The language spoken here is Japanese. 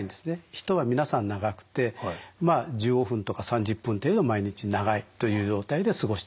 人は皆さん長くてまあ１５分とか３０分程度毎日長いという状態で過ごしてるわけですね。